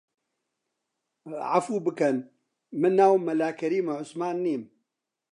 عەفوو بکەن من ناوم مەلا کەریمە، عوسمان نیم